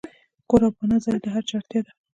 کور او پناه ځای د هر چا اړتیا ده.